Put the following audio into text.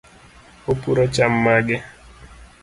Upuro cham mage?